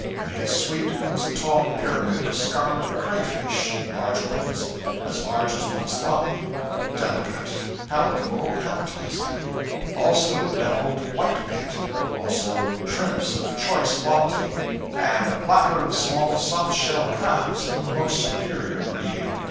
In his suite was a tall pyramid of scarlet cray fish large ones; as large as one's thumb delicate, palatable, appetizing. Also deviled whitebait; also shrimps of choice quality; and a platter of small soft shell crabs of a most superior breed.